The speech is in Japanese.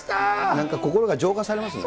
なんか心が浄化されますね。